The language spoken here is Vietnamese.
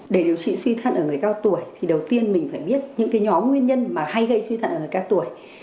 để điều trị suy thận ở người cao tuổi thì đầu tiên mình phải biết những nhóm nguyên nhân mà hay gây suy thận ở người cao tuổi